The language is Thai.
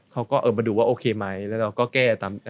เขาก็มาดูว่าโอเคไหมแล้วเราก็แก้ตาม